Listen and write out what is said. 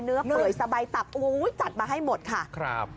เนื้อเผยสะใบตับจัดมาให้หมดครับ